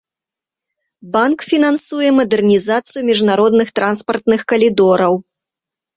Банк фінансуе мадэрнізацыю міжнародных транспартных калідораў.